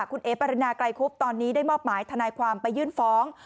คุณเอ๋ปรินาไกรคุบตอนนี้ได้มอบหมายทนายความไปยื่นฟ้อง